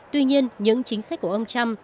tuy nhiên những chính sách của ông trump